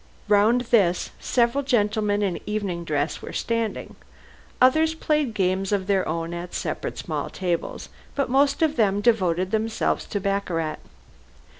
Round this several gentlemen in evening dress were standing. Others played games of their own at separate small tables, but most of them devoted themselves to baccarat.